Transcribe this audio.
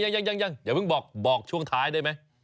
ยังอย่าเพิ่งบอกบอกช่วงท้ายได้ไหม